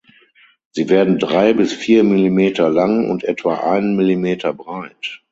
Sie werden drei bis vier Millimeter lang und etwa einen Millimeter breit.